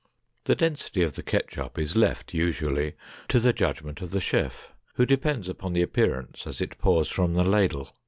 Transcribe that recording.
The density of the ketchup is left usually to the judgment of the chef, who depends upon the appearance as it pours from the ladle.